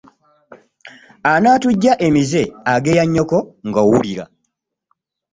Anakuggya emize ageya nyokko nga owulira .